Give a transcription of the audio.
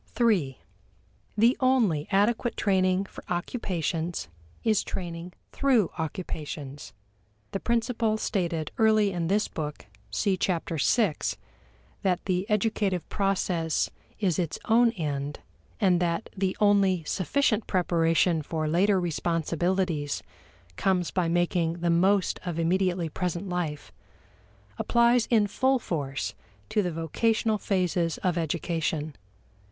3. The only adequate training for occupations is training through occupations. The principle stated early in this book (see Chapter VI) that the educative process is its own end, and that the only sufficient preparation for later responsibilities comes by making the most of immediately present life, applies in full force to the vocational phases of education.